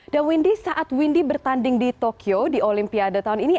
dan windy saat windy bertanding di tokyo di olimpiade tahun ini